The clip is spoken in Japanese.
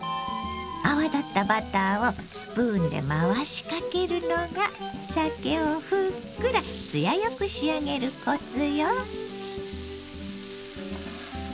泡立ったバターをスプーンで回しかけるのがさけをふっくら艶よく仕上げるコツよ。